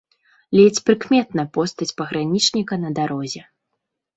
Ледзь прыкметна постаць пагранічніка на дарозе.